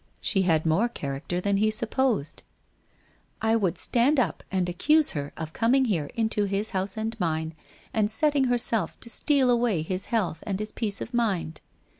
She had more character than he supposed. ' I would stand up and accuse her of coming here into his house and mine and setting herself to steal away his health and his peace of mind.